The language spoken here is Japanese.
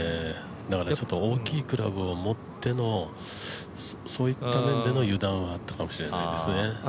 大きいクラブを持ってのそういった面での油断はあったかもしれないですね。